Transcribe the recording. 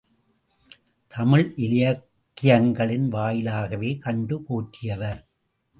தமிழ் இலக்கியங்களின் வாயிலாகவே கண்டு போற்றியவர்.